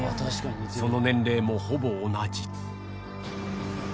その年齢もほぼ同じ。